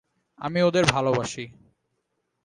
আমি ওদের ভালবাসি!